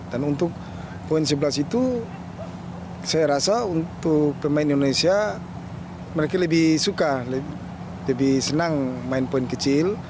dan untuk poin sebelas itu saya rasa untuk pemain indonesia mereka lebih suka lebih senang main poin kecil